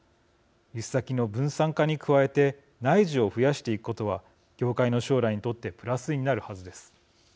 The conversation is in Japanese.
輸出先の分散化に加えて内需を増やしていくことは業界の将来にとってプラスになるはずです。